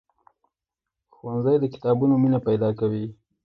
ښوونځی د کتابونو مینه پیدا کوي